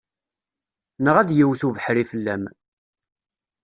Neɣ ad yewwet ubeḥri fell-am.